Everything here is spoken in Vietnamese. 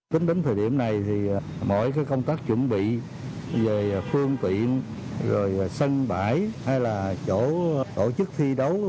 tính đến thời điểm này thì mọi công tác chuẩn bị về phương tiện rồi sân bãi hay là chỗ tổ chức thi đấu